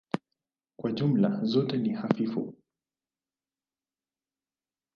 Kwa jumla zote ni hafifu.